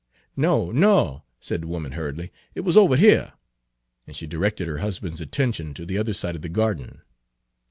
"No, no," said the woman hurriedly, "it wuz over here," and she directed her husband's attention to the other side of the garden.